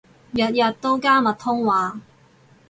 日日都加密通話